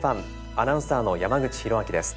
アナウンサーの山口寛明です。